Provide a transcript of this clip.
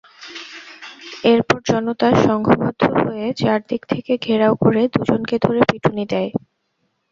এরপর জনতা সংঘবদ্ধ হয়ে চারদিক থেকে ঘেরাও করে দুজনকে ধরে পিটুনি দেয়।